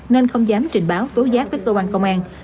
nên không dám trình báo tố giác với cơ quan công an